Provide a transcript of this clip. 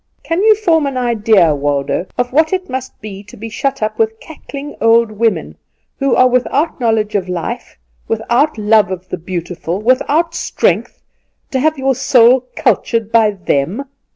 Can you form an idea, Waldo, of what it must be to be shut up with cackling old women, who are without knowledge of life, without love of the beautiful, without strength, to have your soul cultured by them?